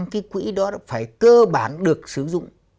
cái quỹ đó phải cơ bản được sử dụng